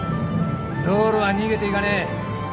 道路は逃げていかねえ。